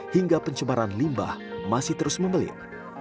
hingga pencemaran limbah masih terus membelit